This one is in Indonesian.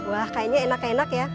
wah kayaknya enak enak ya